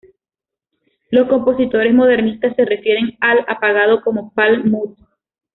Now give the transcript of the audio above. Los compositores modernistas se refieren al apagado como ""palm mute"".